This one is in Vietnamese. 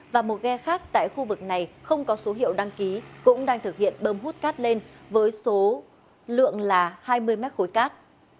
và một ghe khác tại khu vực này không có số hiệu đăng ký cũng đang thực hiện bơm hút cát lên với số lượng là hai mươi mét khối cát